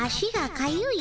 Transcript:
かゆい！